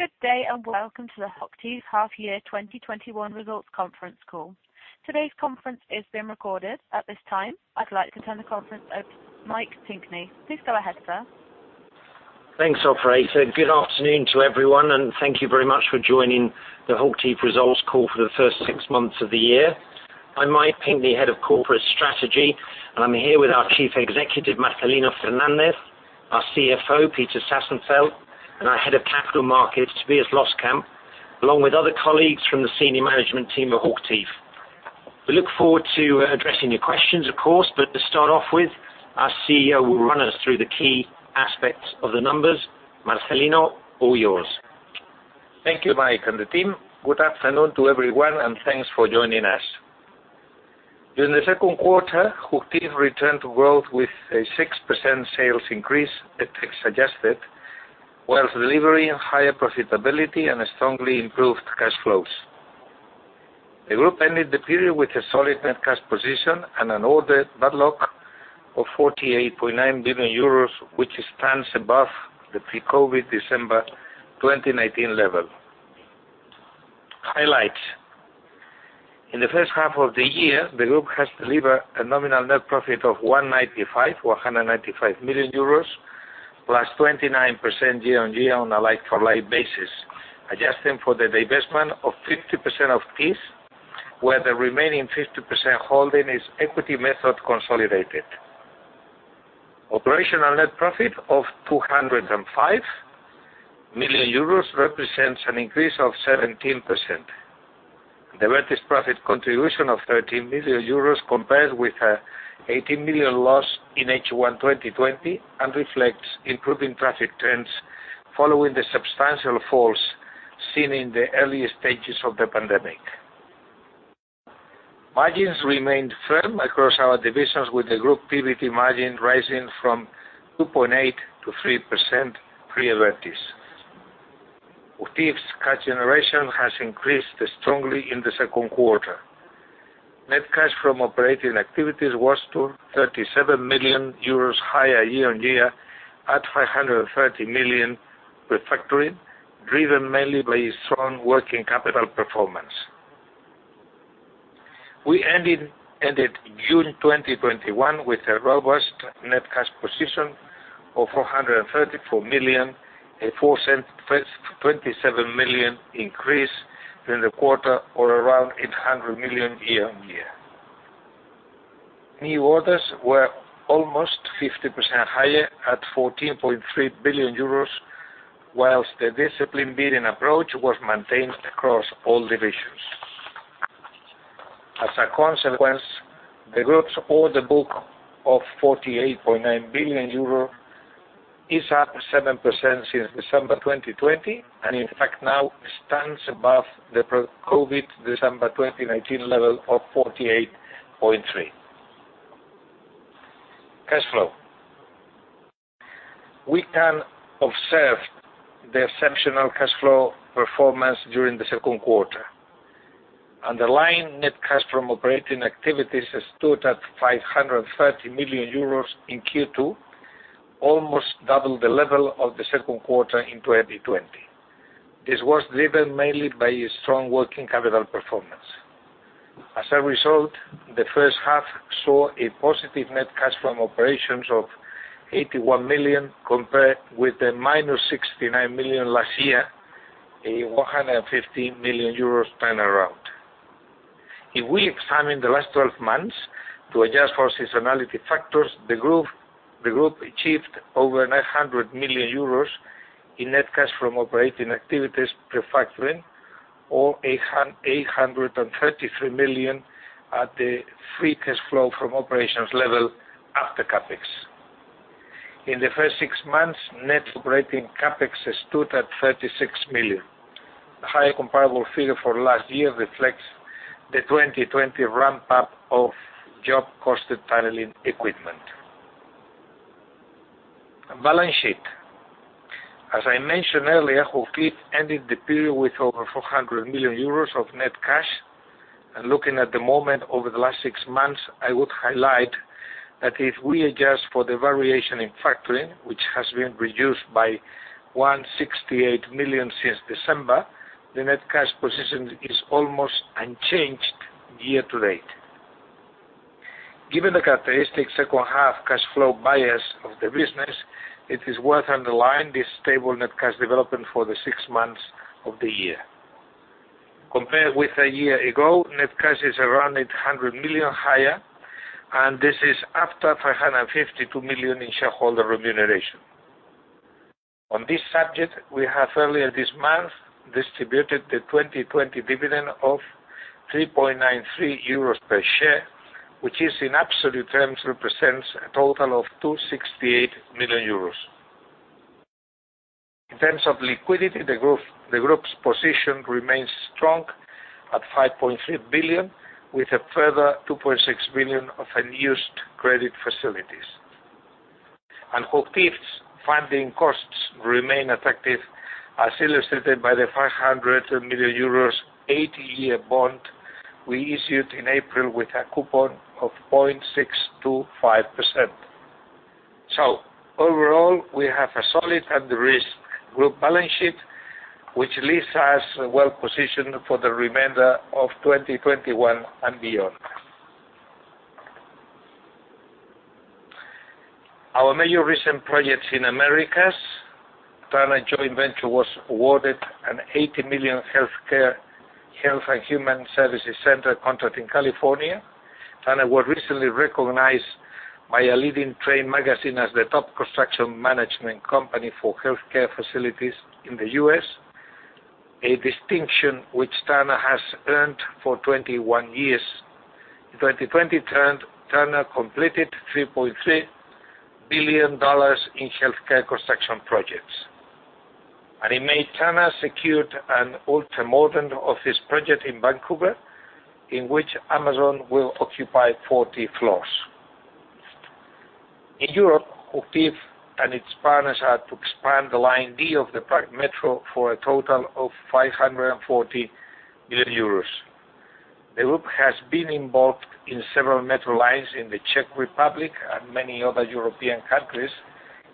Good day. Welcome to the HOCHTIEF Half-Year 2021 Results Conference Call. Today's conference is being recorded. At this time, I'd like to turn the conference over to Mike Pinkney. Please go ahead, sir. Thanks, operator. Good afternoon to everyone, and thank you very much for joining the HOCHTIEF Results Call for the first six months of the year. I'm Mike Pinkney, head of corporate strategy, and I'm here with our Chief Executive, Marcelino Fernández, our CFO, Peter Sassenfeld, and our Head of Capital Markets, Tobias Loskamp, along with other colleagues from the senior management team of HOCHTIEF. We look forward to addressing your questions, of course, but to start off with, our CEO will run us through the key aspects of the numbers. Marcelino, all yours. Thank you, Mike and the team. Good afternoon to everyone, and thanks for joining us. During the second quarter, HOCHTIEF returned to growth with a 6% sales increase, FX adjusted, whilst delivering higher profitability and strongly improved cash flows. The group ended the period with a solid net cash position and an order backlog of 48.9 billion euros, which stands above the pre-COVID December 2019 level. Highlights. In the first half of the year, the group has delivered a nominal net profit of 195 million euros, plus 29% year-on-year on a like-for-like basis, adjusting for the divestment of 50% of Thiess, where the remaining 50% holding is equity method consolidated. Operational net profit of 205 million euros represents an increase of 17%. Abertis' profit contribution of 13 million euros compares with an 18 million loss in H1 2020 and reflects improving traffic trends following the substantial falls seen in the early stages of the pandemic. Margins remained firm across our divisions, with the group PBT margin rising from 2.8%-3% pre-Abertis. HOCHTIEF's cash generation has increased strongly in the second quarter. Net cash from operating activities was 37 million euros higher year-on-year at 530 million, pre-factoring, driven mainly by strong working capital performance. We ended June 2021 with a robust net cash position of 434 million, a 27 million increase during the quarter, or around 800 million year-on-year. New orders were almost 50% higher at 14.3 billion euros, while the disciplined bidding approach was maintained across all divisions. As a consequence, the group's order book of 48.9 billion euro is up 7% since December 2020 and in fact now stands above the pre-COVID December 2019 level of 48.3 billion. Cash flow. We can observe the exceptional cash flow performance during the second quarter. Underlying net cash from operating activities stood at 530 million euros in Q2, almost double the level of the second quarter in 2020. This was driven mainly by strong working capital performance. As a result, the first half saw a positive net cash from operations of 81 million, compared with the minus 69 million last year, a 150 million euros turnaround. If we examine the last 12 months to adjust for seasonality factors, the group achieved over 900 million euros in net cash from operating activities pre-factoring, or 833 million at the free cash flow from operations level after CapEx. In the first six months, net operating CapEx stood at 36 million. The higher comparable figure for last year reflects the 2020 ramp-up of job-costed tunneling equipment. Balance sheet. As I mentioned earlier, HOCHTIEF ended the period with over 400 million euros of net cash. Looking at the moment over the last six months, I would highlight that if we adjust for the variation in factoring, which has been reduced by 168 million since December, the net cash position is almost unchanged year to date. Given the characteristic second half cash flow bias of the business, it is worth underlying this stable net cash development for the six months of the year. Compared with a year ago, net cash is around 800 million higher, and this is after 352 million in shareholder remuneration. On this subject, we have earlier this month distributed the 2020 dividend of €3.93 per share, which in absolute terms represents a total of €268 million. In terms of liquidity, the group's position remains strong at 5.3 billion, with a further 2.6 billion of unused credit facilities. HOCHTIEF's funding costs remain attractive, as illustrated by the 500 million euros eight-year bond we issued in April with a coupon of 0.625%. Overall, we have a solid and de-risked group balance sheet, which leaves us well-positioned for the remainder of 2021 and beyond. Our major recent projects in Americas. Turner Joint Venture was awarded a 80 million healthcare, health and human services center contract in California. It was recently recognized by a leading trade magazine as the top construction management company for healthcare facilities in the U.S., a distinction which Turner has earned for 21 years. In 2020, Turner completed $3.3 billion in healthcare construction projects. In May, Turner secured an ultra-modern office project in Vancouver, in which Amazon will occupy 40 floors. In Europe, HOCHTIEF and its partners are to expand the Line D of the Prague Metro for a total of 540 million euros. The group has been involved in several metro lines in the Czech Republic and many other European countries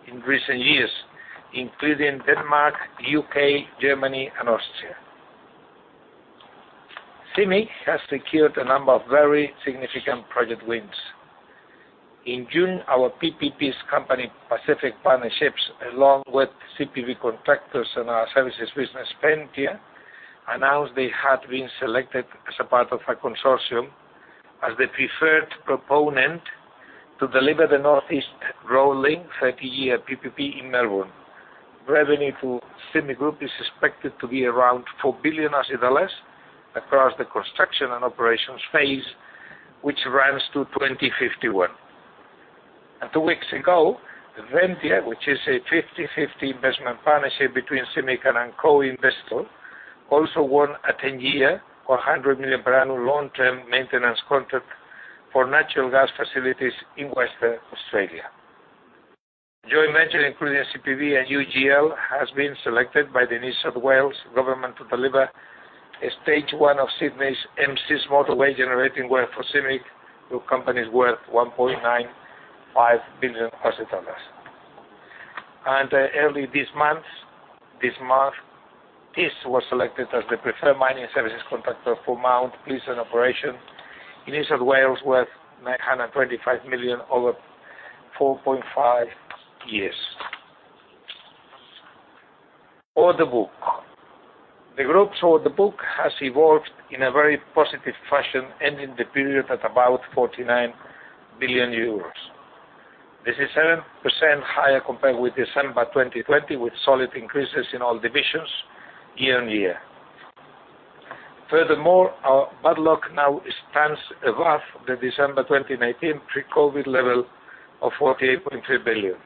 in recent years, including Denmark, U.K., Germany, and Austria. CIMIC has secured a number of very significant project wins. In June, our PPPs company, Pacific Partnerships, along with CPB Contractors and our services business, Ventia, announced they had been selected as a part of a consortium as the preferred proponent to deliver the North East Road Link 30-year PPP in Melbourne. Revenue to CIMIC Group is expected to be around AUD 4 billion across the construction and operations phase, which runs to 2051. Two weeks ago, Ventia, which is a 50/50 investment partnership between CIMIC and co-investors, also won a 10-year, 100 million per annum long-term maintenance contract for natural gas facilities in Western Australia. Joint venture, including CPB and UGL, has been selected by the New South Wales government to deliver a stage 1 of Sydney's M6 motorway, generating work for CIMIC Group companies worth 1.95 billion dollars. Early this month, this was selected as the preferred mining services contractor for Mount Gibson operation in New South Wales, worth 925 million over 4.5 years. Order book. The group's order book has evolved in a very positive fashion, ending the period at about 49 billion euros. This is 7% higher compared with December 2020, with solid increases in all divisions year-on-year. Furthermore, our backlog now stands above the December 2019 pre-COVID level of 48.3 billion.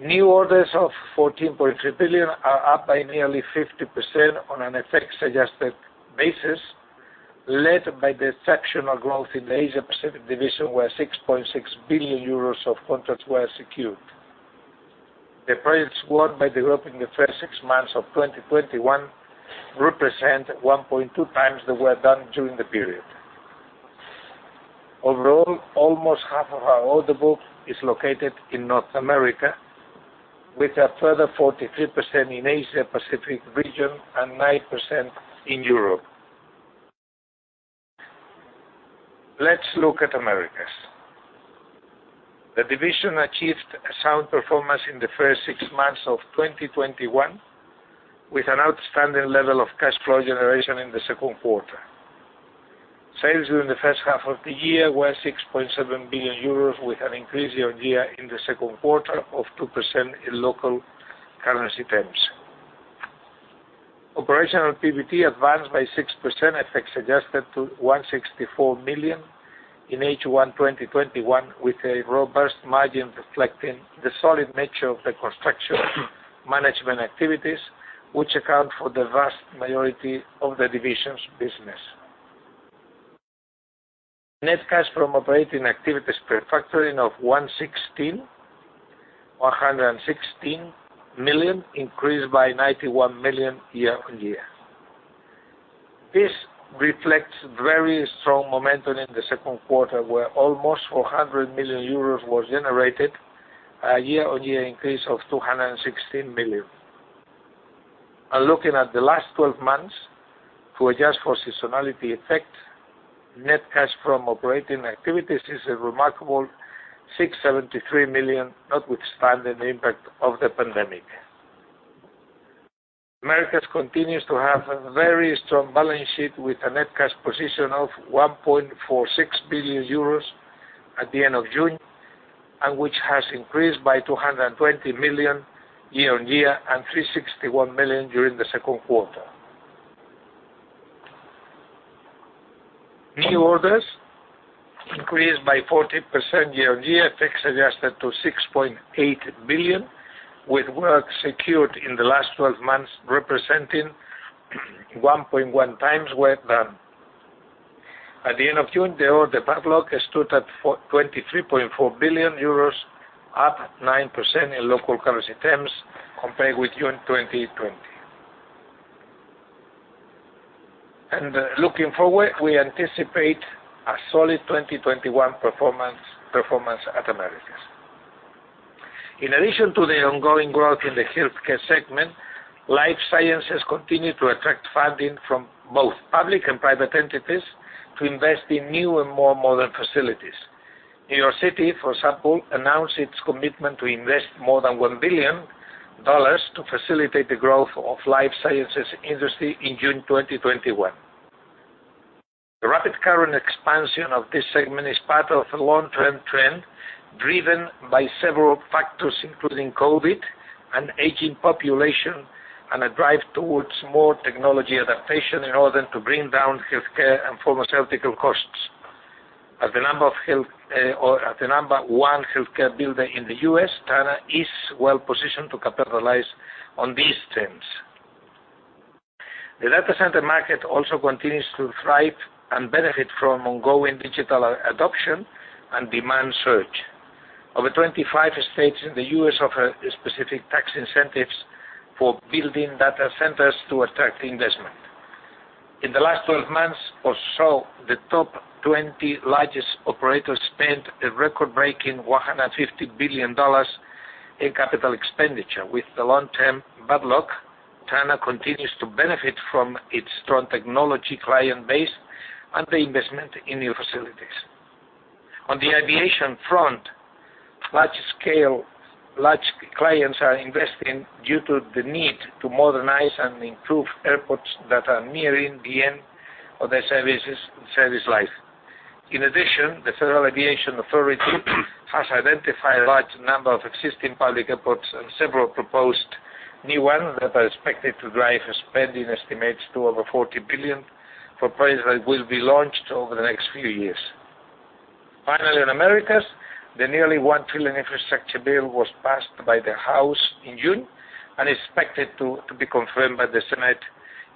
New orders of 14.3 billion are up by nearly 50% on an FX-adjusted basis, led by the exceptional growth in the Asia Pacific division, where 6.6 billion euros of contracts were secured. The projects won by the group in the first six months of 2021 represent 1.2x the work done during the period. Overall, almost half of our order book is located in North America, with a further 43% in Asia Pacific region and 9% in Europe. Let's look at Americas. The division achieved a sound performance in the first six months of 2021, with an outstanding level of cash flow generation in the second quarter. Sales during the first half of the year were 6.7 billion euros, with an increase year-on-year in the second quarter of 2% in local currency terms. Operational PBT advanced by 6%, FX-adjusted, to 164 million in H1 2021, with a robust margin reflecting the solid nature of the construction management activities, which account for the vast majority of the division's business. Net cash from operating activities pre-factoring of 116 million increased by 91 million year-on-year. This reflects very strong momentum in the second quarter, where almost €400 million was generated, a year-on-year increase of 216 million. Looking at the last 12 months, to adjust for seasonality effect, net cash from operating activities is a remarkable 673 million, notwithstanding the impact of the pandemic. Americas continues to have a very strong balance sheet with a net cash position of €1.46 billion at the end of June, and which has increased by 220 million year-on-year and 361 million during the second quarter. New orders increased by 40% year-over-year, FX-adjusted to 6.8 billion, with work secured in the last 12 months representing 1.1x work done. At the end of June, the order backlog stood at €23.4 billion, up 9% in local currency terms compared with June 2020. Looking forward, we anticipate a solid 2021 performance at Americas. In addition to the ongoing growth in the healthcare segment, life sciences continue to attract funding from both public and private entities to invest in new and more modern facilities. New York City, for example, announced its commitment to invest more than $1 billion to facilitate the growth of life sciences industry in June 2021. The rapid current expansion of this segment is part of a long-term trend driven by several factors, including COVID, an aging population, and a drive towards more technology adaptation in order to bring down healthcare and pharmaceutical costs. As the number one healthcare builder in the U.S., Turner is well positioned to capitalize on these trends. The data center market also continues to thrive and benefit from ongoing digital adoption and demand surge. Over 25 states in the U.S. offer specific tax incentives for building data centers to attract investment. In the last 12 months or so, the top 20 largest operators spent a record-breaking $150 billion in capital expenditure. With the long-term backlog, Turner continues to benefit from its strong technology client base and the investment in new facilities. On the aviation front, large clients are investing due to the need to modernize and improve airports that are nearing the end of their service life. In addition, the Federal Aviation Administration has identified a large number of existing public airports and several proposed new ones that are expected to drive spending estimates to over $40 billion for projects that will be launched over the next few years. In Americas, the nearly $1 trillion infrastructure bill was passed by the House in June and is expected to be confirmed by the Senate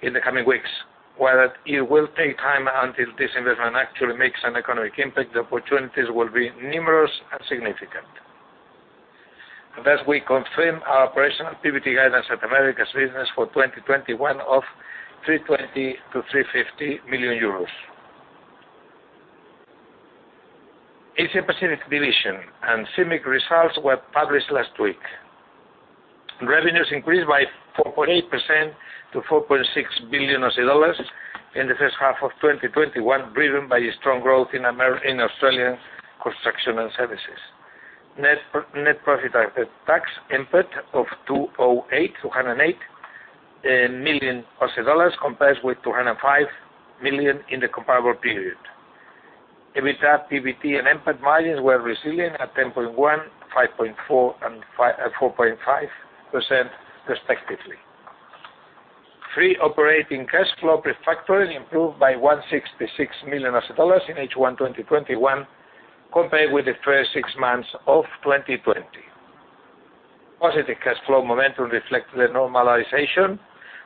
in the coming weeks. While it will take time until this investment actually makes an economic impact, the opportunities will be numerous and significant. Thus, we confirm our operational activity guidance at Americas business for 2021 of 320 million-350 million euros. Asia Pacific division and CIMIC results were published last week. Revenues increased by 4.8% to 4.6 billion dollars in the first half of 2021, driven by strong growth in Australian construction and services. Net profit after tax, NPAT, of AU$208 million compared with AU$205 million in the comparable period. EBITDA, PBT, and NPAT margins were resilient at 10.1%, 5.4%, and 4.5% respectively. Free operating cash flow pre-factoring improved by AU$166 million in H1 2021 compared with the first six months of 2020. Positive cash flow momentum reflected a normalization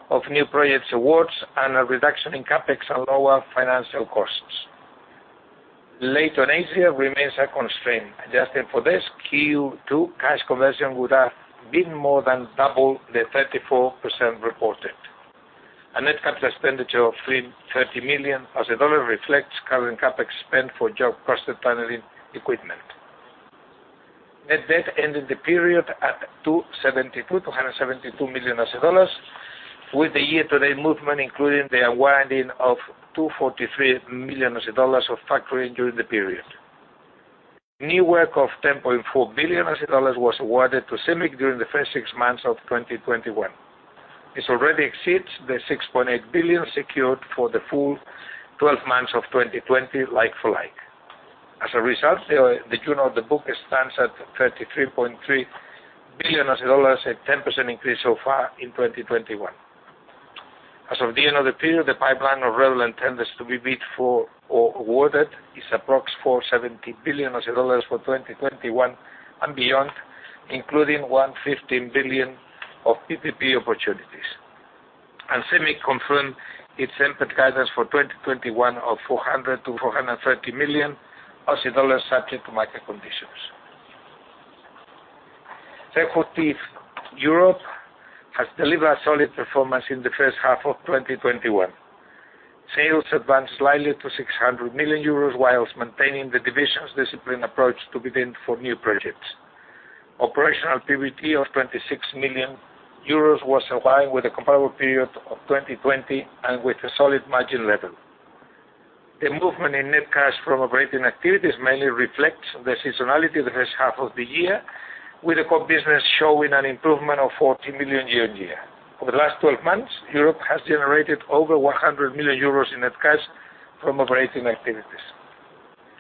of new projects awards and a reduction in CapEx and lower financial costs. Leighton Asia remains a constraint. Adjusted for this, Q2 cash conversion would have been more than double the 34% reported. A net capital expenditure of AU$330 million reflects current CapEx spend for job cost and tunneling equipment. Net debt ended the period at AU$272 million, with the year-to-date movement including the unwinding of AU$243 million of factoring during the period. New work of AU$10.4 billion was awarded to CIMIC during the first six months of 2021. This already exceeds the AU$6.8 billion secured for the full 12 months of 2020, like for like. As a result, the June order book stands at AU$33.3 billion, a 10% increase so far in 2021. As of the end of the period, the pipeline of relevant tenders to be bid for or awarded is approx AU$470 billion for 2021 and beyond, including AU$115 billion of PPP opportunities. CIMIC confirmed its NPAT guidance for 2021 of AU$400 to AU$430 million, subject to market conditions. HOCHTIEF Europe has delivered a solid performance in the first half of 2021. Sales advanced slightly to €600 million, while maintaining the division's disciplined approach to bidding for new projects. Operational PBT of €26 million was in line with the comparable period of 2020 and with a solid margin level. The movement in net cash from operating activities mainly reflects the seasonality of the first half of the year, with the core business showing an improvement of 14 million year-on-year. Over the last 12 months, Europe has generated over 100 million euros in net cash from operating activities.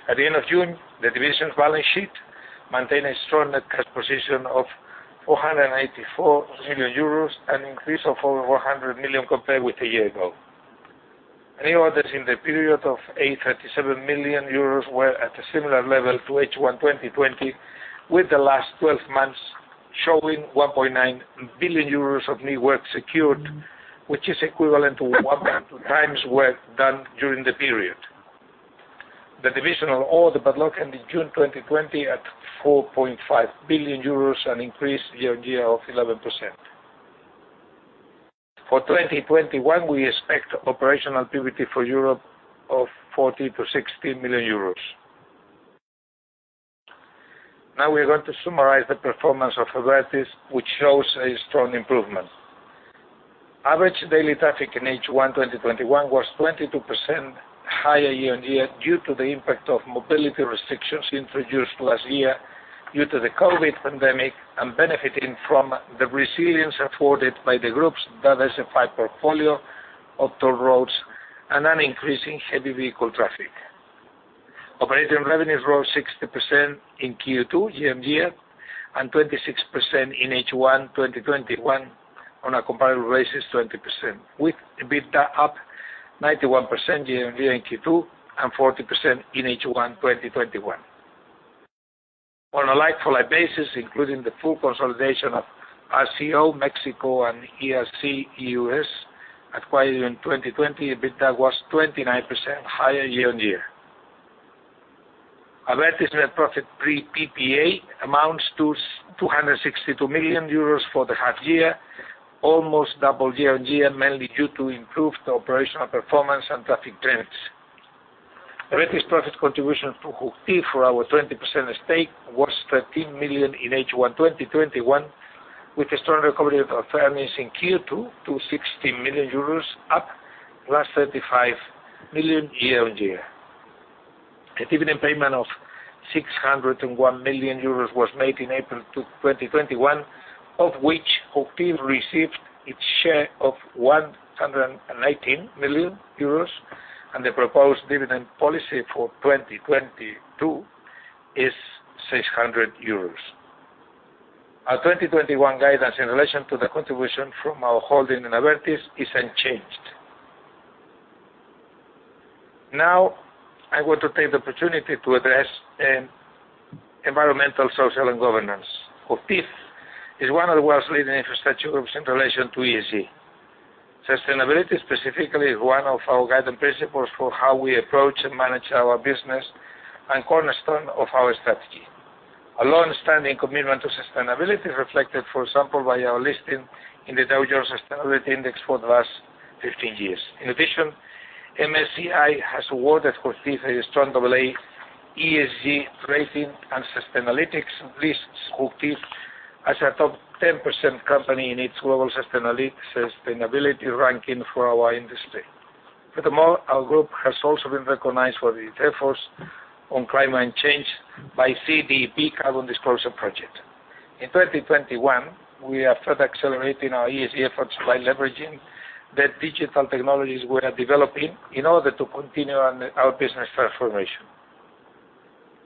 At the end of June, the division's balance sheet maintained a strong net cash position of 484 million euros, an increase of over 100 million compared with a year ago. New orders in the period of 837 million euros were at a similar level to H1 2020, with the last 12 months showing 1.9 billion euros of new work secured, which is equivalent to 1.2x work done during the period. The divisional order backlog ended June 2020 at 4.5 billion euros, an increase year-on-year of 11%. For 2021, we expect operational EBITDA for Europe of 40 million to 60 million euros. Now we're going to summarize the performance of Abertis, which shows a strong improvement. Average daily traffic in H1 2021 was 22% higher year-on-year due to the impact of mobility restrictions introduced last year due to the COVID pandemic, and benefiting from the resilience afforded by the group's diversified portfolio of toll roads and an increase in heavy vehicle traffic. Operating revenues rose 60% in Q2 year-on-year, and 26% in H1 2021, on a comparable basis, 20%, with EBITDA up 91% year-on-year in Q2 and 40% in H1 2021. On a like-for-like basis, including the full consolidation of RCO, Mexico and ERC, U.S., acquired in 2020, EBITDA was 29% higher year-on-year. Abertis net profit pre PPA amounts to €262 million for the half year, almost double year-on-year, mainly due to improved operational performance and traffic trends. Abertis profit contribution to HOCHTIEF for our 20% stake was 13 million in H1 2021, with a strong recovery of earnings in Q2 to 60 million euros, up +35 million year-on-year. A dividend payment of 601 million euros was made in April 2021, of which HOCHTIEF received its share of 119 million euros, and the proposed dividend policy for 2022 is 600 euros. Our 2021 guidance in relation to the contribution from our holding in Abertis is unchanged. Now, I want to take the opportunity to address environmental, social, and governance. HOCHTIEF is one of the world's leading infrastructure groups in relation to ESG. Sustainability specifically is one of our guiding principles for how we approach and manage our business, and cornerstone of our strategy. A longstanding commitment to sustainability is reflected, for example, by our listing in the Dow Jones Sustainability Index for the last 15 years. In addition, MSCI has awarded HOCHTIEF a strong AA ESG rating, and Sustainalytics lists HOCHTIEF as a top 10% company in its global sustainability ranking for our industry. Furthermore, our group has also been recognized for its efforts on climate change by CDP Carbon Disclosure Project. In 2021, we are further accelerating our ESG efforts by leveraging the digital technologies we are developing in order to continue on our business transformation.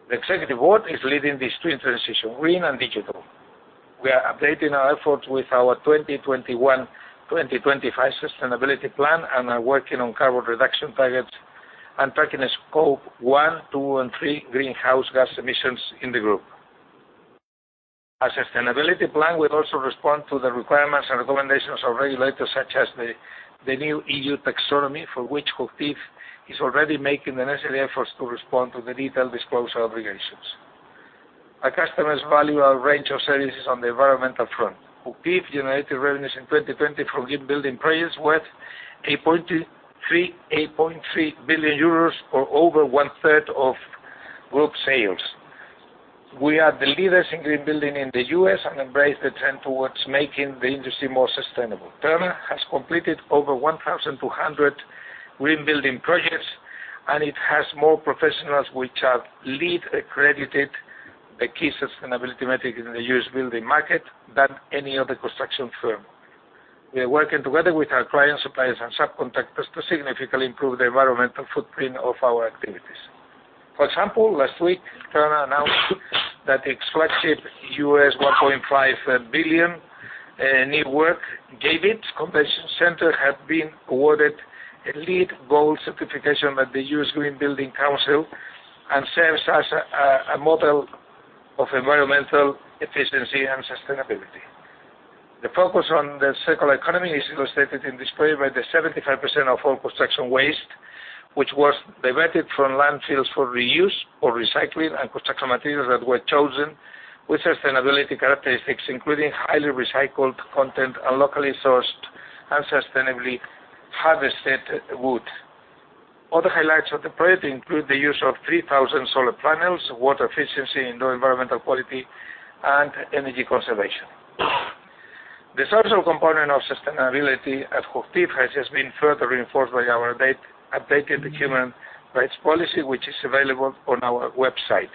The executive board is leading this twin transition: green and digital. We are updating our efforts with our 2021-2025 sustainability plan and are working on carbon reduction targets and tracking Scope 1, 2 and 3 greenhouse gas emissions in the group. Our sustainability plan will also respond to the requirements and recommendations of regulators such as the new EU taxonomy, for which HOCHTIEF is already making the necessary efforts to respond to the detailed disclosure obligations. Our customers value our range of services on the environmental front. HOCHTIEF generated revenues in 2020 from green building projects worth €8.3 billion, or over one third of group sales. We are the leaders in green building in the U.S. and embrace the trend towards making the industry more sustainable. Turner has completed over 1,200 green building projects, and it has more professionals which are LEED accredited, the key sustainability metric in the U.S. building market, than any other construction firm. We are working together with our clients, suppliers, and subcontractors to significantly improve the environmental footprint of our activities. For example, last week, Turner announced that its flagship U.S. $1.5 billion new work, Javits Convention Center, had been awarded a LEED Gold certification by the U.S. Green Building Council and serves as a model of environmental efficiency and sustainability. The focus on the circular economy is illustrated in this project by the 75% of all construction waste, which was diverted from landfills for reuse or recycling, and construction materials that were chosen with sustainability characteristics, including highly recycled content and locally sourced and sustainably harvested wood. Other highlights of the project include the use of 3,000 solar panels, water efficiency, indoor environmental quality, and energy conservation. The social component of sustainability at HOCHTIEF has just been further reinforced by our updated human rights policy, which is available on our website.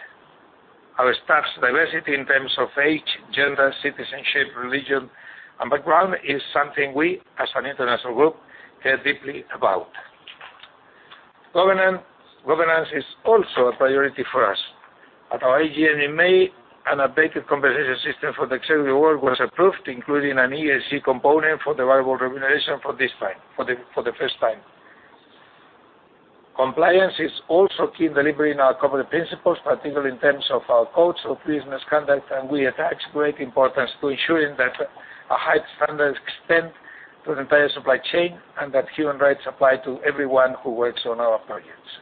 Our staff's diversity in terms of age, gender, citizenship, religion, and background is something we, as an international group, care deeply about. Governance is also a priority for us. At our AGM in May, an updated compensation system for the executive board was approved, including an ESG component for variable remuneration for the first time. Compliance is also key in delivering our corporate principles, particularly in terms of our codes of business conduct, and we attach great importance to ensuring that high standards extend to the entire supply chain and that human rights apply to everyone who works on our projects.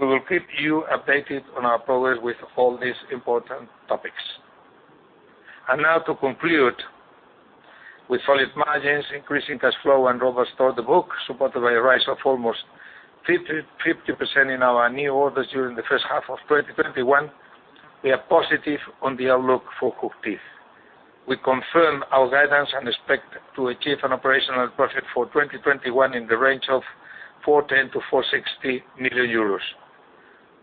We will keep you updated on our progress with all these important topics. Now to conclude, with solid margins, increasing cash flow, and robust order book, supported by a rise of almost 50% in our new orders during the first half of 2021, we are positive on the outlook for HOCHTIEF. We confirm our guidance and expect to achieve an operational profit for 2021 in the range of 410 million-460 million euros.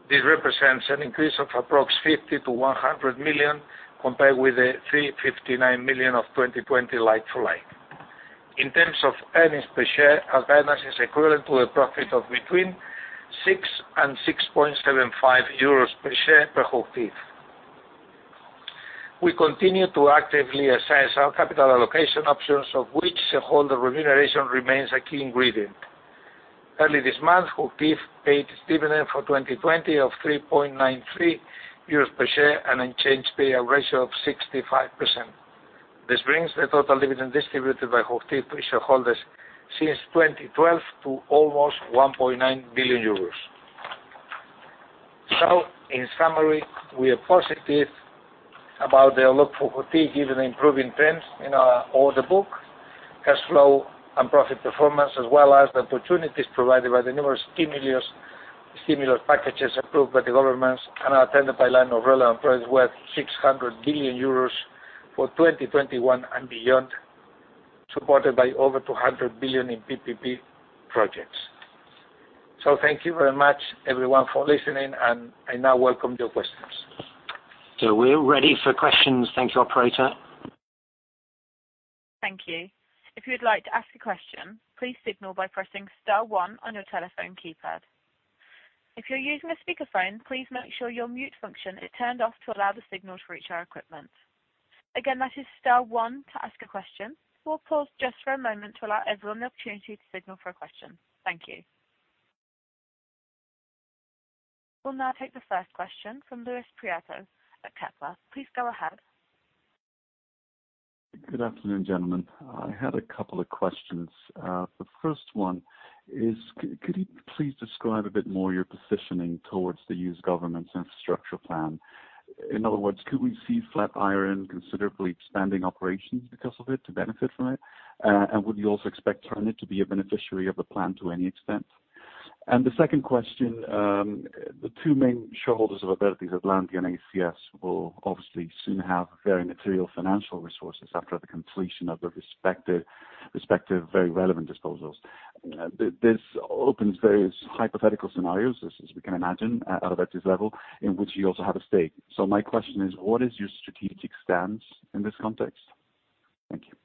This represents an increase. 50 million to 100 million compared with the 359 million of 2020 like for like. In terms of earnings per share, our guidance is equivalent to a profit of between 6 and 6.75 euros per share per HOCHTIEF. We continue to actively assess our capital allocation options, of which shareholder remuneration remains a key ingredient. Early this month, HOCHTIEF paid its dividend for 2020 of 3.93 euros per share and unchanged payout ratio of 65%. This brings the total dividend distributed by HOCHTIEF to shareholders since 2012 to almost 1.9 billion euros. In summary, we are positive about the outlook for HOCHTIEF, given the improving trends in our order book, cash flow, and profit performance, as well as the opportunities provided by the numerous stimulus packages approved by the governments and our tenfold pipeline of relevant projects worth 600 billion euros for 2021 and beyond, supported by over 200 billion in PPP projects. Thank you very much, everyone, for listening, and I now welcome your questions. We're ready for questions. Thank you, operator. Thank you. If you would like to ask a question, please signal by pressing star one on your telephone keypad. If you're using a speakerphone, please make sure your mute function is turned off to allow the signal to reach our equipment. Again, that is star one to ask a question. We'll pause just for a moment to allow everyone the opportunity to signal for a question. Thank you. We'll now take the first question from Luis Prieto at Kepler. Please go ahead. Good afternoon, gentlemen. I had a couple of questions. The first one is, could you please describe a bit more your positioning towards the U.S. government's infrastructure plan? In other words, could we see Flatiron considerably expanding operations because of it to benefit from it? Would you also expect Turner to be a beneficiary of the plan to any extent? The second question, the two main shareholders of Abertis, Atlantia and ACS, will obviously soon have very material financial resources after the completion of their respective very relevant disposals. This opens various hypothetical scenarios, as we can imagine, at Abertis level, in which you also have a stake. My question is, what is your strategic stance in this context? Thank you.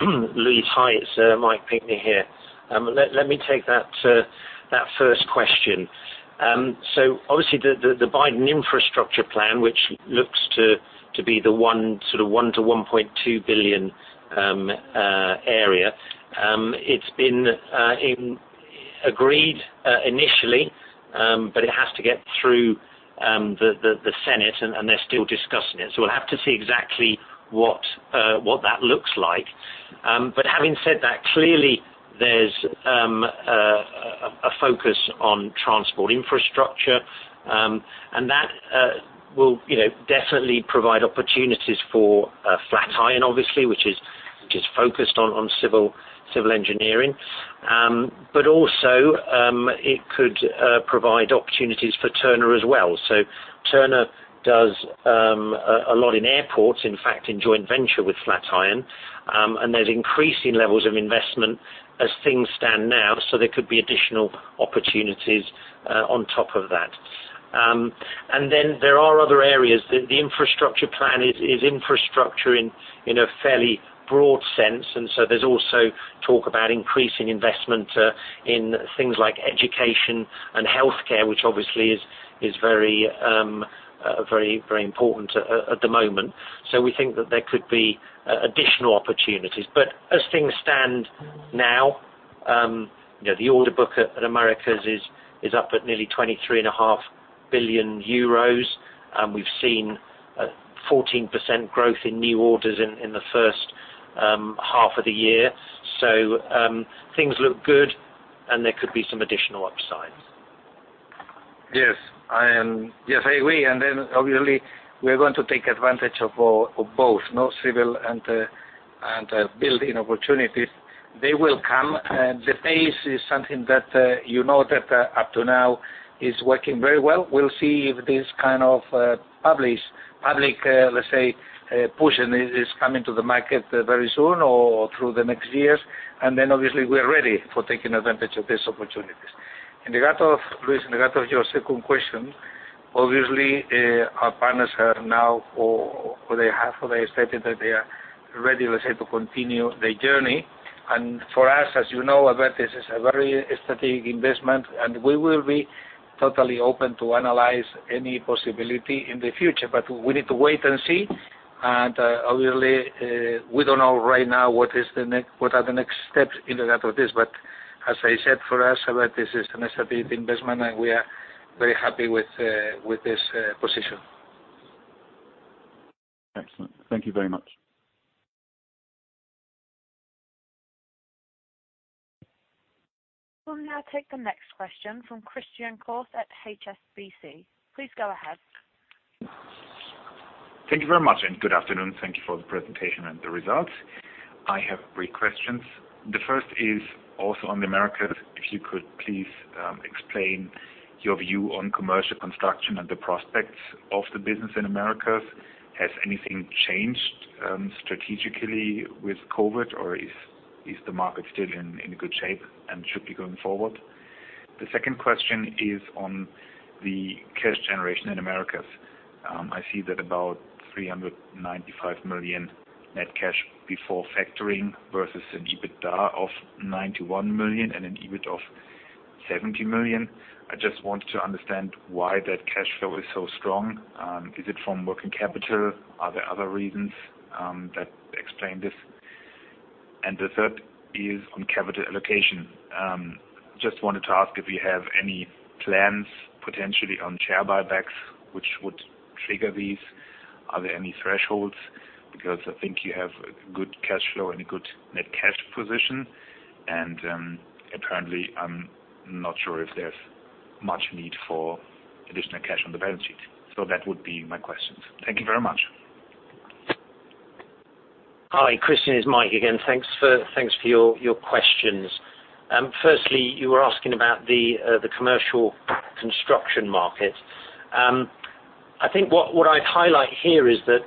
Luis. Hi, it's Mike Pinkney here. Let me take that first question. Obviously, the Biden infrastructure plan, which looks to be the $1 billion-$1.2 billion area, it's been agreed initially, but it has to get through the Senate, and they're still discussing it. We'll have to see exactly what that looks like. Having said that, clearly, there's a focus on transport infrastructure, and that will definitely provide opportunities for Flatiron, obviously, which is focused on civil engineering. Also, it could provide opportunities for Turner as well. Turner does a lot in airports, in fact, in joint venture with Flatiron, and there's increasing levels of investment as things stand now, so there could be additional opportunities on top of that. There are other areas. The infrastructure plan is infrastructure in a fairly broad sense, and so there is also talk about increasing investment in things like education and healthcare, which obviously is very important at the moment. We think that there could be additional opportunities. As things stand now, the order book at Americas is up at nearly 23.5 billion euros. We have seen a 14% growth in new orders in the first half of the year. Things look good, and there could be some additional upside. Yes. I agree. Obviously, we are going to take advantage of both civil and building opportunities. They will come. The pace is something that you know that up to now is working very well. We'll see if this kind of public, let's say, push is coming to the market very soon or through the next years. Obviously, we're ready for taking advantage of these opportunities. In regard of Luis, in regard of your second question, obviously, our partners have now, or they have stated that they are ready, let's say, to continue their journey. For us, as you know, Abertis is a very strategic investment, and we will be totally open to analyze any possibility in the future, but we need to wait and see. Obviously, we don't know right now what are the next steps in regard to this. As I said, for us, this is a necessary investment, and we are very happy with this position. Excellent. Thank you very much. We'll now take the next question from Christian Koch at HSBC. Please go ahead. Thank you very much. Good afternoon. Thank you for the presentation and the results. I have three questions. The first is also on the Americas. If you could please explain your view on commercial construction and the prospects of the business in Americas. Has anything changed strategically with COVID, or is the market still in good shape and should be going forward? The second question is on the cash generation in Americas. I see that about 395 million net cash before factoring versus an EBITDA of 91 million and an EBIT of 70 million. I just want to understand why that cash flow is so strong. Is it from working capital? Are there other reasons that explain this? The third is on capital allocation. Just wanted to ask if you have any plans potentially on share buybacks, which would trigger these. Are there any thresholds? I think you have a good cash flow and a good net cash position, and apparently, I'm not sure if there's much need for additional cash on the balance sheet. That would be my questions. Thank you very much. Hi, Christian. It's Mike again. Thanks for your questions. You were asking about the commercial construction market. I think what I'd highlight here is that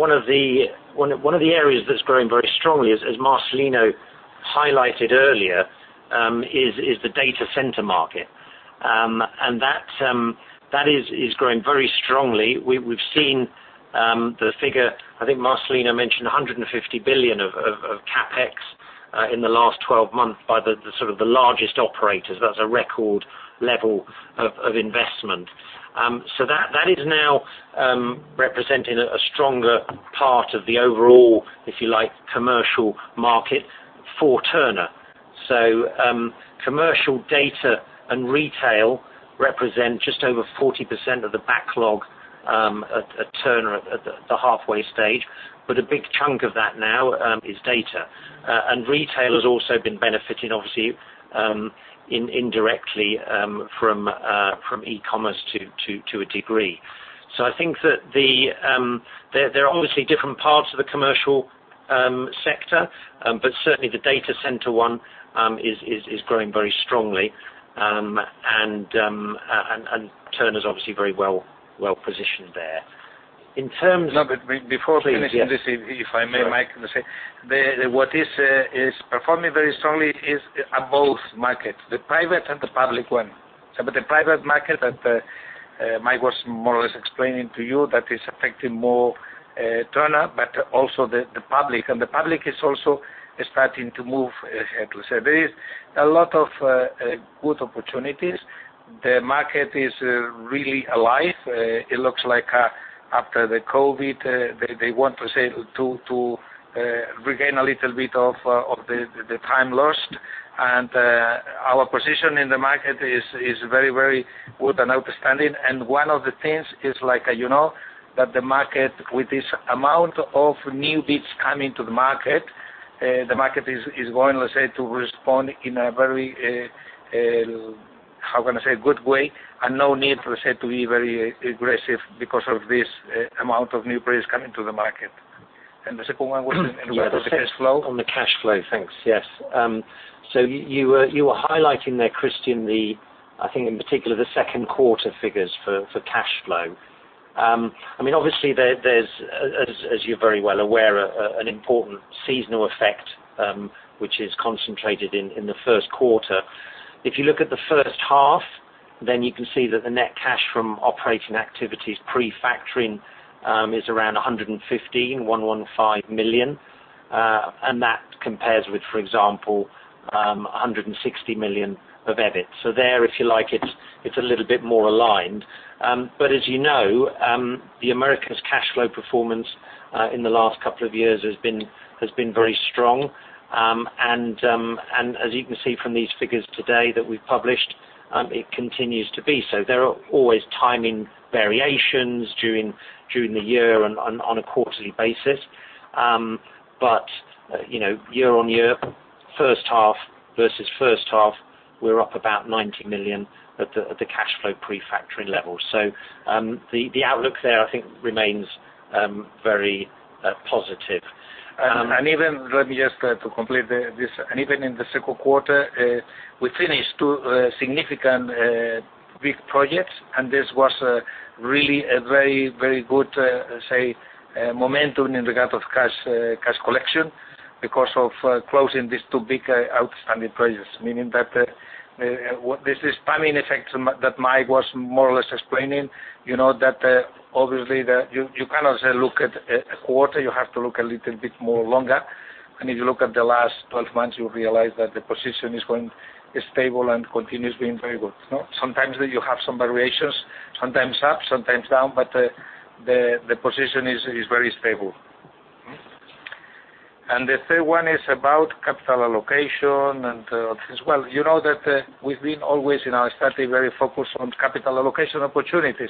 one of the areas that's growing very strongly, as Marcelino highlighted earlier, is the data center market. That is growing very strongly. We've seen the figure, I think Marcelino mentioned 150 billion of CapEx in the last 12 months by the largest operators. That's a record level of investment. That is now representing a stronger part of the overall, if you like, commercial market for Turner. Commercial data and retail represent just over 40% of the backlog at Turner at the halfway stage. A big chunk of that now is data. Retail has also been benefiting, obviously, indirectly from e-commerce to a degree. I think that there are obviously different parts of the commercial sector, but certainly, the data center one is growing very strongly. Turner's obviously very well positioned there. No, before finishing this. Please, yes. if I may, Mike. What is performing very strongly is both markets, the private and the public one. The private market that Mike was more or less explaining to you, that is affecting more Turner, but also the public. The public is also starting to move. There is a lot of good opportunities. The market is really alive. It looks like after the COVID, they want to regain a little bit of the time lost, and our position in the market is very good and outstanding. One of the things is that the market, with this amount of new bids coming to the market, the market is going, let's say, to respond in a very, how can I say, good way. No need, let's say, to be very aggressive because of this amount of new bids coming to the market. The second one was in regard to cash flow. On the cash flow. Thanks. Yes. You were highlighting there, Christian, I think in particular, the second quarter figures for cash flow. Obviously, there's, as you're very well aware, an important seasonal effect, which is concentrated in the first quarter. If you look at the first half, then you can see that the net cash from operating activities pre-factoring is around 115 million. That compares with, for example, 160 million of EBIT. There, if you like, it's a little bit more aligned. As you know, the Americas cash flow performance in the last couple of years has been very strong. As you can see from these figures today that we've published, it continues to be so. There are always timing variations during the year on a quarterly basis. Year-on-year, first half versus first half, we're up about 90 million at the cash flow pre-factoring level. The outlook there, I think remains very positive. Even, let me just to complete this. Even in the second quarter, we finished two significant big projects, and this was really a very good momentum in regard of cash collection because of closing these two big outstanding projects. Meaning that this timing effect that Mike was more or less explaining, obviously that you cannot look at a quarter, you have to look a little bit more longer. If you look at the last 12 months, you realize that the position is stable and continues being very good. Sometimes you have some variations, sometimes up, sometimes down, but the position is very stable. The third one is about capital allocation and all this. You know that we've been always, in our strategy, very focused on capital allocation opportunities.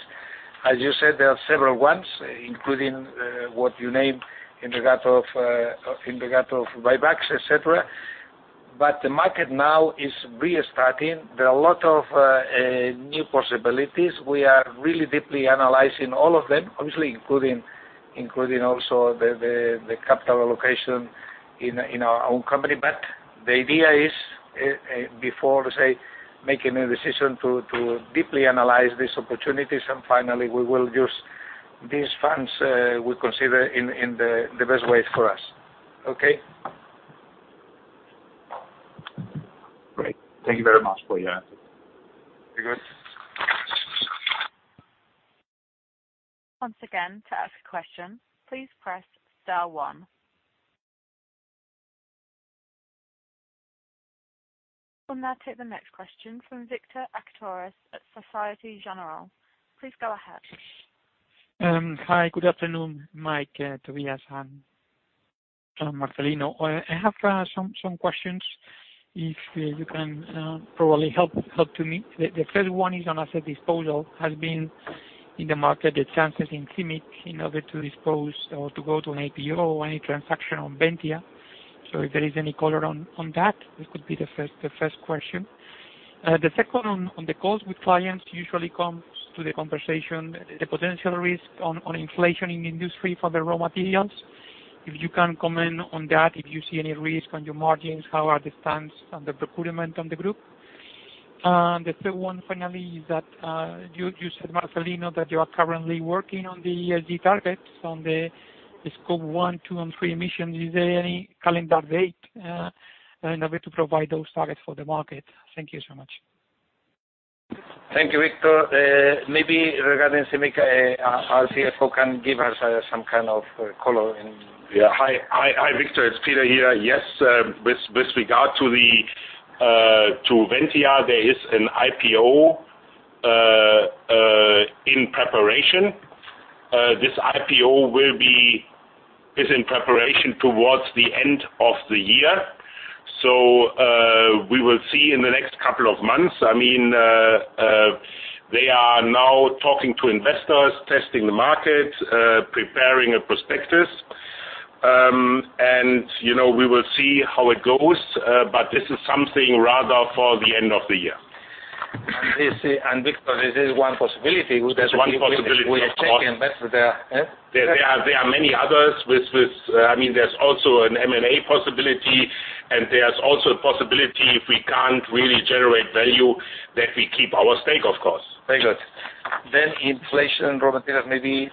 As you said, there are several ones, including what you named in regard of buybacks, et cetera. The market now is restarting. There are a lot of new possibilities. We are really deeply analyzing all of them, obviously, including also the capital allocation in our own company. The idea is, before making a decision to deeply analyze these opportunities, and finally, we will use these funds we consider in the best way for us. Okay? Great. Thank you very much for your answer. Very good. Once again, to ask a question, please press star one. We'll now take the next question from Victor Acitores at Societe Generale. Please go ahead. Hi. Good afternoon, Mike, Tobias, and Marcelino. I have some questions, if you can probably help me. The first one is on asset disposal. Has been in the market, the chances in CIMIC in order to dispose or to go to an IPO, any transaction on Ventia. If there is any color on that, this could be the first question. The second one, on the calls with clients usually comes to the conversation, the potential risk on inflation in the industry for the raw materials. If you can comment on that, if you see any risk on your margins, how are the stands on the procurement on the group? The third one finally is that, you said, Marcelino, that you are currently working on the ESG targets on the Scope 1, 2, and 3 emissions. Is there any calendar date in order to provide those targets for the market? Thank you so much. Thank you, Victor. Maybe regarding CIMIC, our CFO can give us some kind of color in. Hi, Victor. It's Peter here. Yes. With regard to Ventia, there is an IPO in preparation. This IPO is in preparation towards the end of the year. We will see in the next couple of months. They are now talking to investors, testing the market, preparing a prospectus. We will see how it goes, but this is something rather for the end of the year. Victor, this is one possibility. It's one possibility, of course. We have taken, but there. There are many others. There's also an M&A possibility, and there's also a possibility if we can't really generate value that we keep our stake, of course. Very good. Inflation and raw materials, maybe,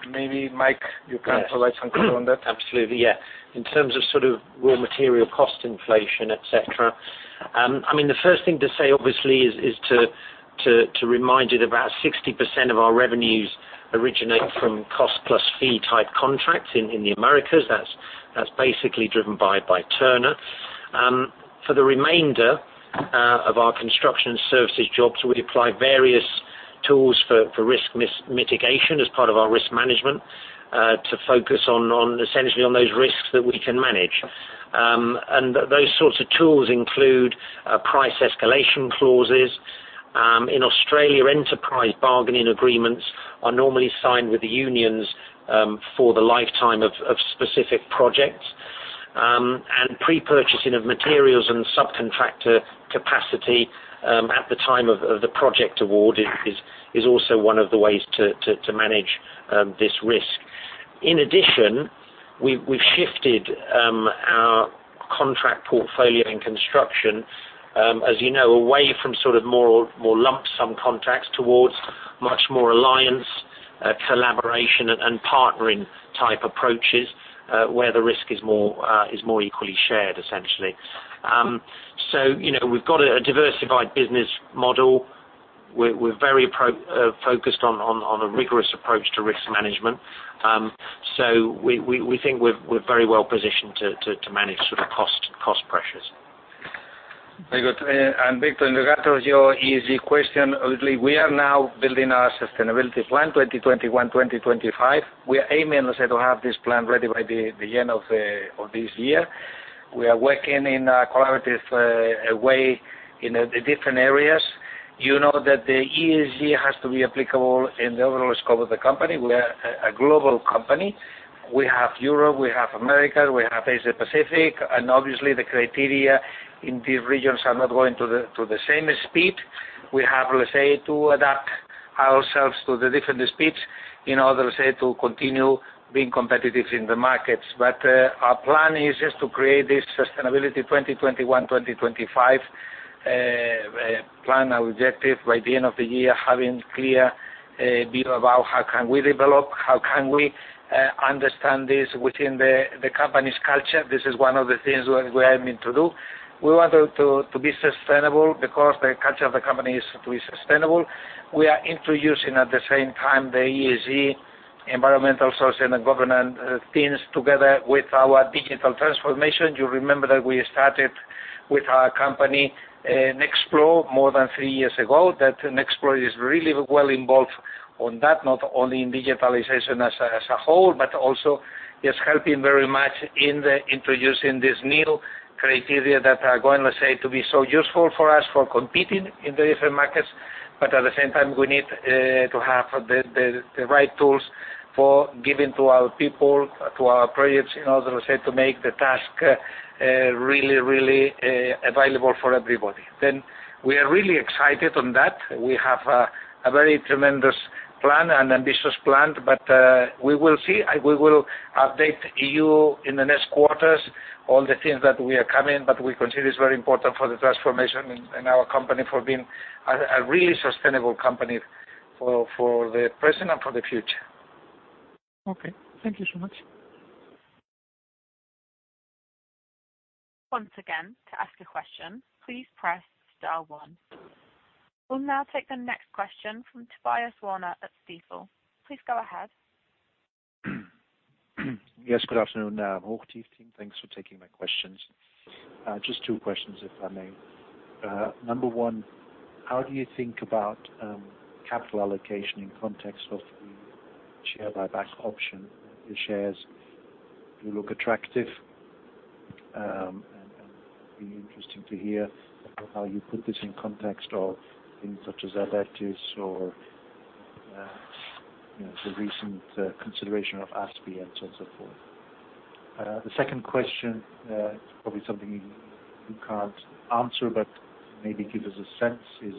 Mike, you can provide some color on that. Absolutely, yeah. In terms of raw material cost inflation, et cetera. The first thing to say, obviously, is to remind you that about 60% of our revenues originate from cost plus fee type contracts in the Americas. That's basically driven by Turner. For the remainder of our construction services jobs, we apply various tools for risk mitigation as part of our risk management, to focus essentially on those risks that we can manage. Those sorts of tools include price escalation clauses. In Australia, enterprise bargaining agreements are normally signed with the unions for the lifetime of specific projects. Pre-purchasing of materials and subcontractor capacity at the time of the project award is also one of the ways to manage this risk. In addition, we've shifted our contract portfolio in construction, as you know, away from more lump sum contracts towards much more alliance, collaboration, and partnering type approaches, where the risk is more equally shared, essentially. We've got a diversified business model. We're very focused on a rigorous approach to risk management. We think we're very well positioned to manage cost pressures. Very good. Victor, in regard to your ESG question, obviously, we are now building our sustainability plan 2021, 2025. We are aiming, let's say, to have this plan ready by the end of this year. We are working in a collaborative way in the different areas. You know that the ESG has to be applicable in the overall scope of the company. We are a global company. We have Europe, we have America, we have Asia Pacific, and obviously the criteria in these regions are not going to the same speed. We have, let's say, to adapt ourselves to the different speeds in order, let's say, to continue being competitive in the markets. Our plan is just to create this sustainability 2021, 2025 plan, our objective by the end of the year, having clear view about how can we develop, how can we understand this within the company's culture. This is one of the things we are aiming to do. We want to be sustainable because the culture of the company is to be sustainable. We are introducing, at the same time, the ESG, environmental, social, and governance themes together with our digital transformation. You remember that we started with our company, Nexplore, more than three years ago. That Nexplore is really well involved on that, not only in digitalization as a whole, but also is helping very much in introducing this new criteria that are going, let's say, to be so useful for us for competing in the different markets. At the same time, we need to have the right tools for giving to our people, to our projects, in order, let's say, to make the task really available for everybody. We are really excited on that. We have a very tremendous plan, an ambitious plan, but we will see. We will update you in the next quarters, all the things that we are coming, but we consider it's very important for the transformation in our company for being a really sustainable company for the present and for the future. Okay. Thank you so much. Once again, to ask a question, please press star one. We'll now take the next question from Tobias Woerner at Stifel. Please go ahead. Good afternoon, HOCHTIEF team. Thanks for taking my questions. Just two questions, if I may. Number one, how do you think about capital allocation in context of the share buyback option? The shares do look attractive and be interesting to hear how you put this in context of things such as Abengoa or, the recent consideration of ASPI and so on, so forth. The second question, it's probably something you can't answer, but maybe give us a sense, is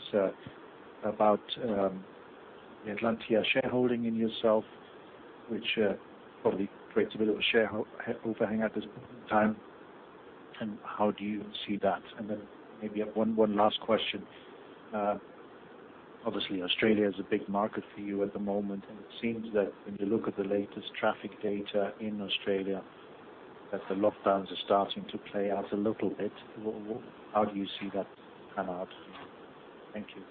about the Atlantia shareholding in yourself, which probably creates a bit of a share overhang at this point in time. How do you see that? Then maybe one last question. Obviously, Australia is a big market for you at the moment, and it seems that when you look at the latest traffic data in Australia, that the lockdowns are starting to play out a little bit. How do you see that pan out? Thank you.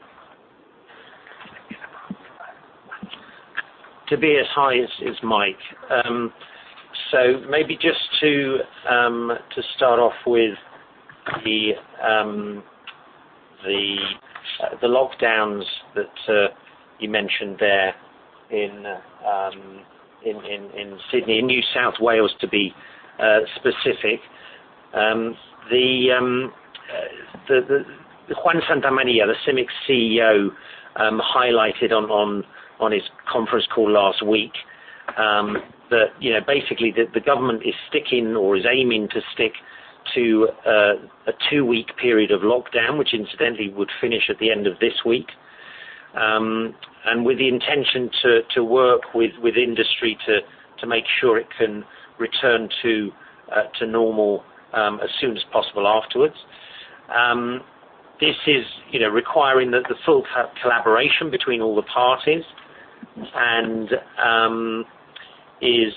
Tobias, hi. It's Mike. Maybe just to start off with the lockdowns that you mentioned there in Sydney, in New South Wales, to be specific. Juan Santamaría, the CIMIC CEO, highlighted on his conference call last week that basically the government is sticking or is aiming to stick to a two-week period of lockdown, which incidentally would finish at the end of this week, and with the intention to work with industry to make sure it can return to normal as soon as possible afterwards. This is requiring the full collaboration between all the parties, and it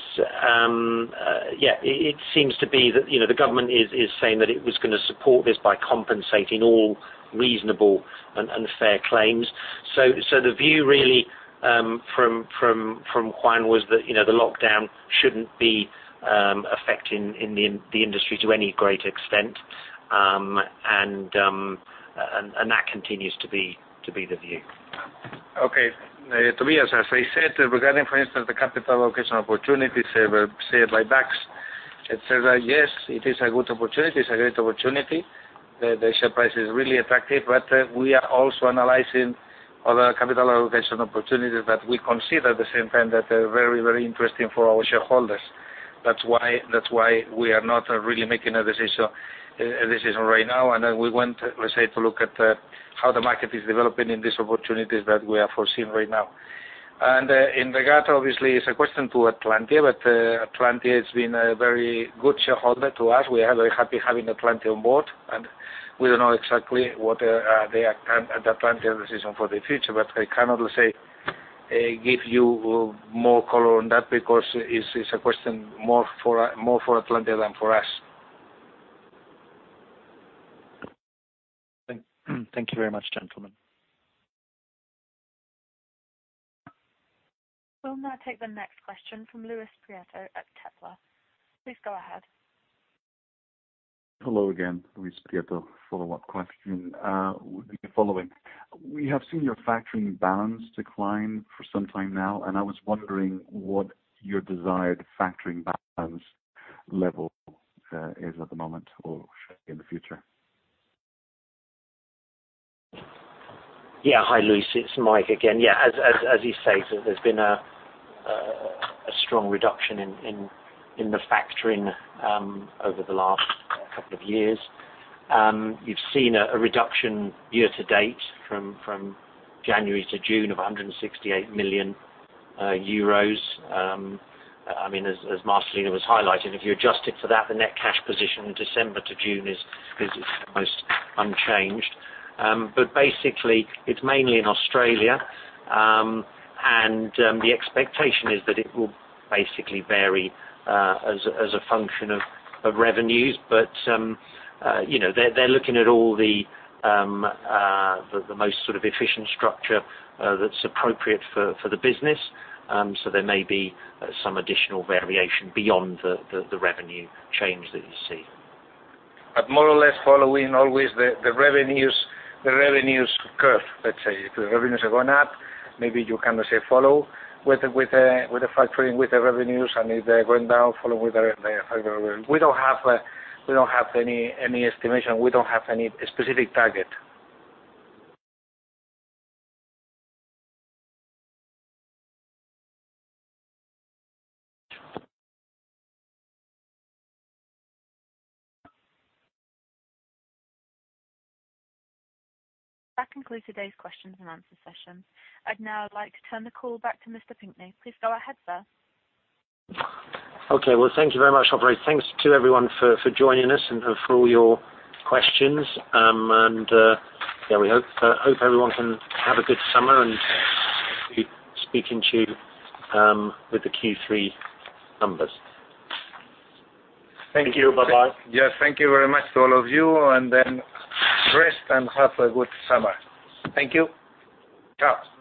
seems to be that the government is saying that it was going to support this by compensating all reasonable and fair claims. The view really from Juan was that the lockdown shouldn't be affecting the industry to any great extent, and that continues to be the view. Okay. Tobias, as I said, regarding, for instance, the capital allocation opportunities, share buybacks, et cetera, yes, it is a good opportunity. It's a great opportunity. The share price is really attractive. We are also analyzing other capital allocation opportunities that we consider at the same time that are very interesting for our shareholders. That's why we are not really making a decision right now. We want, let's say, to look at how the market is developing in these opportunities that we are foreseeing right now. In regard, obviously, it's a question to Atlantia, but Atlantia has been a very good shareholder to us. We are very happy having Atlantia on board, and we don't know exactly what Atlantia decision for the future, but I cannot, let's say, give you more color on that because it's a question more for Atlantia than for us. Thank you very much, gentlemen. We'll now take the next question from Luis Prieto at Kepler. Please go ahead. Hello again. Luis Prieto. Follow-up question, would be the following. We have seen your factoring balance decline for some time now, and I was wondering what your desired factoring balance level is at the moment or should be in the future. Yeah. Hi, Luis. It's Mike again. As you say, there's been a strong reduction in the factoring over the last couple of years. You've seen a reduction year to date from January to June of 168 million euros. As Marcelino was highlighting, if you adjust it for that, the net cash position December to June is almost unchanged. Basically, it's mainly in Australia. The expectation is that it will basically vary as a function of revenues. They're looking at all the most efficient structure that's appropriate for the business. There may be some additional variation beyond the revenue change that you see. More or less following always the revenues curve, let's say. If the revenues are going up, maybe you kind of say follow with the factoring with the revenues, and if they're going down, follow with the revenue. We don't have any estimation. We don't have any specific target. That concludes today's questions and answer session. I'd now like to turn the call back to Mr. Pinkney. Please go ahead, sir. Okay. Well, thank you very much, Aubrey. Thanks to everyone for joining us and for all your questions. yeah, we hope everyone can have a good summer and hope to be speaking to you with the Q3 numbers. Thank you. Bye-bye. Yes. Thank you very much to all of you, and then rest and have a good summer. Thank you. [inaudible]